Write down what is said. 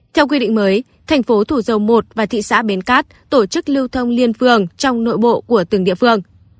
theo quy định mới thành phố thủ dầu một và thị xã bến cát tổ chức lưu thông liên phường trong nội bộ của từng địa phương